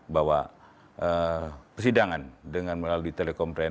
bahwa persidangan dengan melalui telekompen